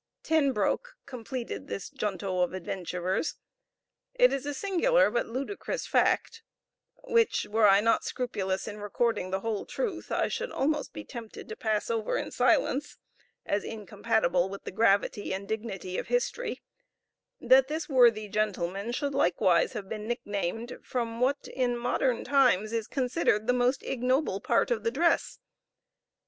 Ten Broeck completed this junto of adventurers. It is a singular but ludicrous fact, which, were I not scrupulous in recording the whole truth, I should almost be tempted to pass over in silence, as incompatible with the gravity and dignity of history, that this worthy gentleman should likewise have been nicknamed from what in modern times is considered the most ignoble part of the dress.